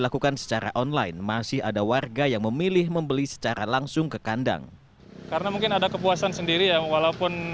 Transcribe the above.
lakukan secara online masih ada warga yang memilih membeli secara langsung ke kandang karena mungkin ada kepuasan sendiri ya walaupun